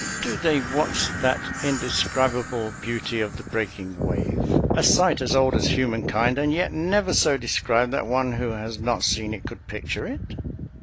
Do they watch that indescribable beauty of the breaking wave, a sight as old as humankind and yet never so described that one who has not seen it could picture it?